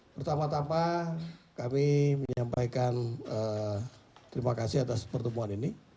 pertama tama kami menyampaikan terima kasih atas pertemuan ini